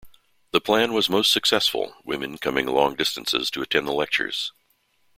The plan was most successful, women coming long distances to attend the lectures.